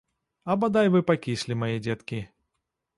А бадай вы пакіслі, мае дзеткі!